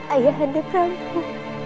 aku akan menangkapmu